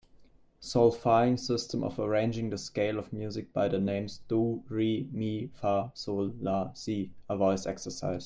Solfaing system of arranging the scale of music by the names do, re, mi, fa, sol, la, si a voice exercise.